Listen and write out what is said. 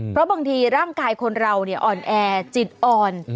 เพราะบางทีร่างกายคนเราอ่อนแอจิตอ่อน